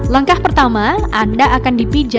langkah pertama anda akan dipijat dan dipijat